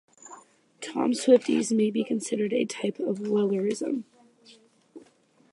Tom Swifties may be considered a type of wellerism.